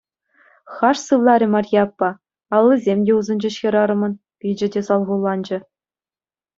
Хаш сывларӗ Марье аппа, аллисем те усӑнчӗҫ хӗрарӑмӑн, пичӗ те салхуланчӗ.